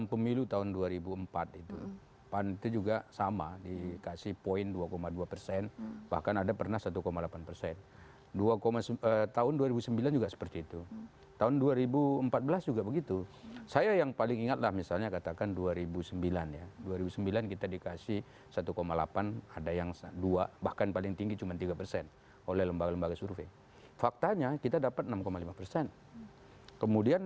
pemilu kurang dari tiga puluh hari lagi hasil survei menunjukkan hanya ada empat partai